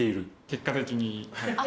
結果的に。